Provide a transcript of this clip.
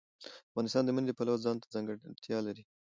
افغانستان د منی د پلوه ځانته ځانګړتیا لري.